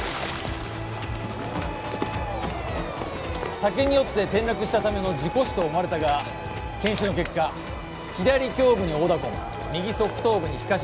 酒に酔って転落したための事故死と思われたが検視の結果左頬部に殴打痕右側頭部に皮下出血。